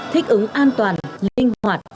thích ứng an toàn linh hoạt